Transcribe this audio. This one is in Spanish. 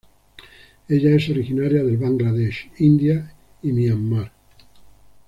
Ella es originaria del Bangladesh, India, y Myanmar.